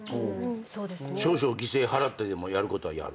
少々犠牲払ってでもやることはやる？